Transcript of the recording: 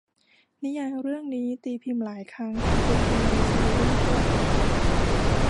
นิยายเรื่องนี้ตีพิมพ์หลายครั้ง ทำเป็นทีวีซีรี่ส์ก็หลายครั้ง